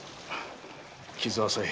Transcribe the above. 傷は浅い。